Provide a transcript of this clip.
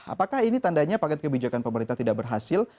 apakah ini tandanya paket kebijakan pemerintah tidak berhasil